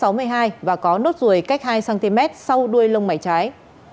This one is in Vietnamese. đối tượng này cao một m sáu mươi năm và có nốt ruồi cách hai cm sau đuôi lông mảy trái